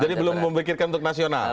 jadi belum memikirkan untuk nasional